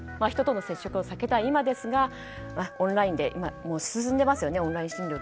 人との接触を避けたい今ですがオンライン診療が今、進んでますよね。